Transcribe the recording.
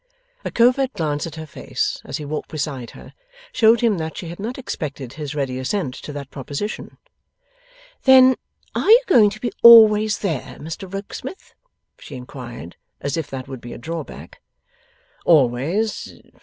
A covert glance at her face, as he walked beside her, showed him that she had not expected his ready assent to that proposition. 'Then are you going to be always there, Mr Rokesmith?' she inquired, as if that would be a drawback. 'Always?